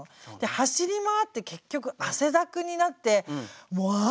走り回って結局汗だくになってもうあつい！